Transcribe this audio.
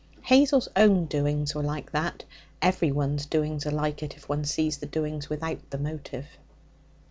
Hazel's own doings were like that; everyone's doings are like it, if one sees the doings without the motive.